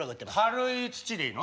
軽い土でいいの？